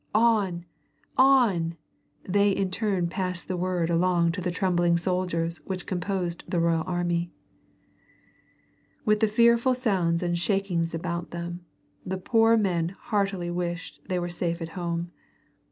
"On! On!" they, in turn, passed the word along to the trembling soldiers which composed the royal army. With the fearful sounds and shakings about them, the poor men heartily wished they were safe at home.